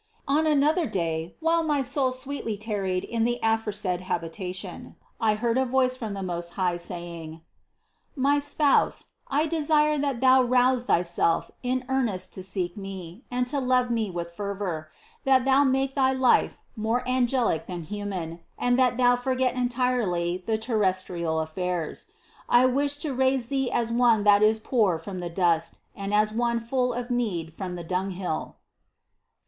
6. On another day, while my soul sweetly tarried in the aforesaid habitation, I heard a voice from the Most High saying: "My spouse, I desire that thou rouse thy self in earnest to seek Me, and to love Me with fervor; that thou make thy life more angelic than human, and that thou forget entirely the terrestrial affairs. I wish to raise thee as one that is poor from the dust, and as one full of need from the dunghill (Ps.